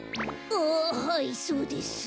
ああはいそうです。